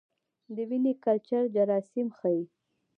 د وینې کلچر جراثیم ښيي.